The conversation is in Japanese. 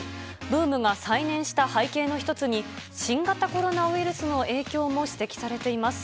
ブームが再燃した背景の一つに、新型コロナウイルスの影響も指摘されています。